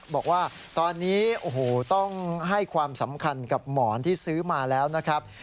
บอกว่าตอนนี้โอ้โหต้องให้ความสำคัญกับหมอนที่ซื้อมาแล้วนะครับ